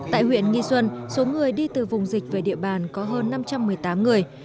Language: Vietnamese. tại huyện nghi xuân số người đi từ vùng dịch về địa bàn có hơn năm trăm một mươi tám người